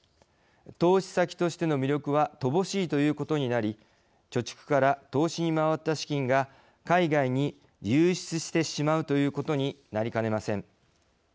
投資先としての魅力は乏しいということになり貯蓄から投資に回った資金が海外に流出してしまうということになりかねません。